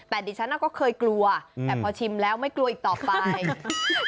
แต่ดิฉันก็เคยกลัวแต่พอชิมแล้วไม่กลัวอีกต่อไป